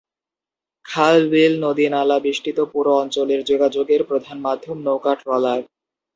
খাল-বিল-নদী-নালা বেষ্টিত পুরো অঞ্চলের যোগাযোগের প্রধান মাধ্যম নৌকা-ট্রলার।